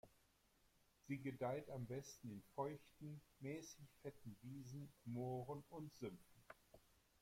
Sie gedeiht am besten in feuchten, mäßig fetten Wiesen, Mooren und Sümpfen.